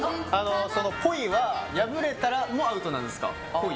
ポイは破れたらアウトなんですか。